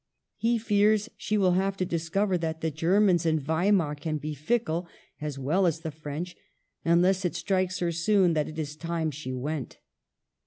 He fears she will have to discover that the Germans in Weimar can be fickle, as well as the French, unless it strikes her soon that it is time she went.